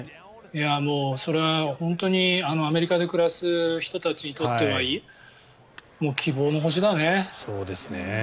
それは本当にアメリカで暮らす人たちにとってはもう希望の星だね。